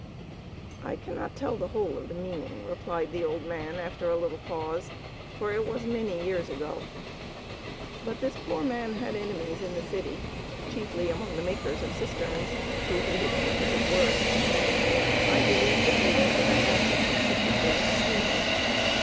"I cannot tell the whole of the meaning," replied the old man, after a little pause, "for it was many years ago. But this poor man had many enemies in the city, chiefly among the makers of cisterns, who hated him for his words. I believe that they went out after him secretly and slew him.